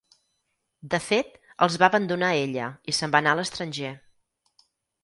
De fet, els va abandonar ella i se'n va anar a l'estranger.